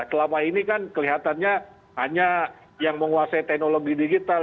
selama ini kan kelihatannya hanya yang menguasai teknologi digital